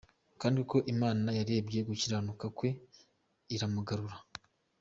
Kandi koko Imana yarebye gukiranuka kwe iramugarura.